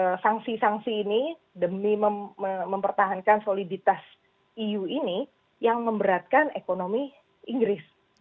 ada sanksi sanksi ini demi mempertahankan soliditas eu ini yang memberatkan ekonomi inggris